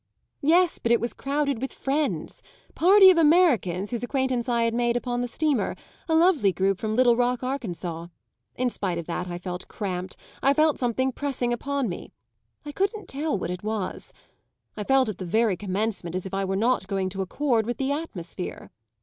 "Yes, but it was crowded with friends party of Americans whose acquaintance I had made upon the steamer; a lovely group from Little Rock, Arkansas. In spite of that I felt cramped I felt something pressing upon me; I couldn't tell what it was. I felt at the very commencement as if I were not going to accord with the atmosphere.